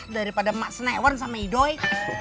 daripada mak senewan sama idoi